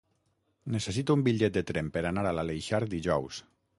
Necessito un bitllet de tren per anar a l'Aleixar dijous.